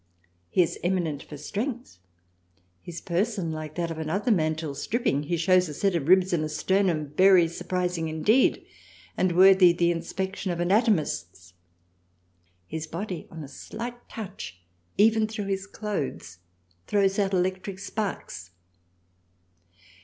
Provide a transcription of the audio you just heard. He is eminent for Strength, his Person like that of another Man till stripping, he shews a set of Ribs and a Sternum very surprising indeed and worthy the Inspection of Anatomists. His Body on a slight touch even through his Clothes, throws out Electric Sparks.